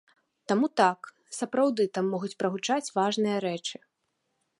Таму так, сапраўды там могуць прагучаць важныя рэчы.